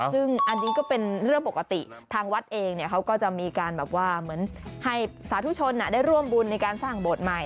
ซึ่งอันนี้ก็เป็นเรื่องปกติทางวัดเองเขาก็จะมีการแบบว่าเหมือนให้สาธุชนได้ร่วมบุญในการสร้างโบสถ์ใหม่